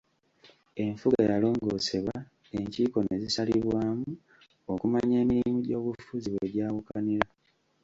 Enfuga yalongoosebwa, enkiiko ne zisalibwamu okumanya emirimu gy'obufuzi we gyawukanira.